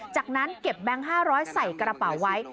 จากนั้นเก็บแบงค์๕๐๐ใส่กระเป๋าไว้